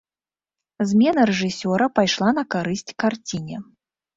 Змена рэжысёра пайшла на карысць карціне.